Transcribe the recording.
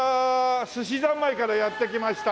すしざんまいからやって来ました。